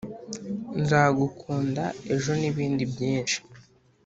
nzagukunda ejo nibindi byinshi